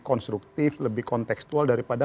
konstruktif lebih konteksual daripada